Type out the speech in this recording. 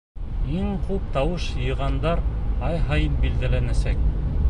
Иң күп тауыш йыйғандар ай һайын билдәләнәсәк.